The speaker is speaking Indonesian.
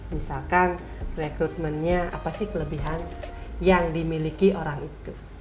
misalkan rekrutmennya apa sih kelebihan yang dimiliki orang itu